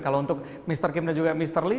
kalau untuk mr kim dan juga mr lee